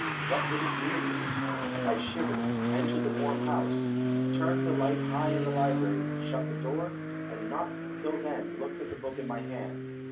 What did it mean? I shivered, entered the warm house, turned the light high in the library, shut the door, and not till then looked at the book in my hand.